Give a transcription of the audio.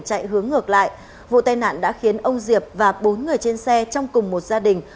chạy hướng ngược lại vụ tai nạn đã khiến ông diệp và bốn người trên xe trong cùng một gia đình